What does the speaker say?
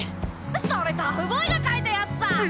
それタフボーイが書いたやつだ！